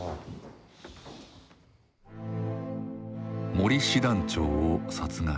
森師団長を殺害。